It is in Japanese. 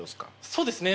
そうですね。